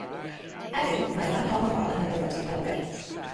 Heddiw, mae'r rhan hon o'r wal yn agored i ymwelwyr.